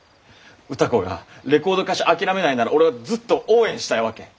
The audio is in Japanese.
歌子がレコード歌手諦めないなら俺はずっと応援したいわけ。